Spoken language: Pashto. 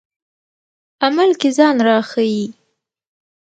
عمل کې ځان راښيي.